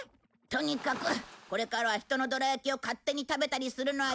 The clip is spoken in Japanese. とにかくこれからは人のどら焼きを勝手に食べたりするのは。